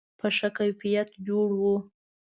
په ښه کیفیت جوړ و.